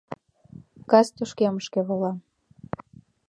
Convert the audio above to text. Кас тошкемышке вола.